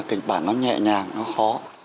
kịch bản nó nhẹ nhàng nó khó